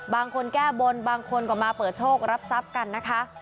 บางคนแก้บนบางคนก็มาเปิดโชครับทรัพย์กันนะคะ